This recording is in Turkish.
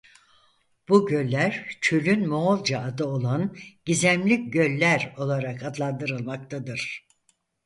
Bu göller çölün Moğolca adı olan "gizemli göller" olarak adlandırılmaktadır.